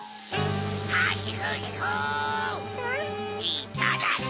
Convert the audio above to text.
いただき！